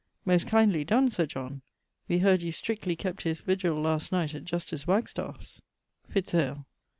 _ Most kindly donne, Sir John! We heard you strictly kept his virgil last night at Justice Wagstaff's. _Fitz ale.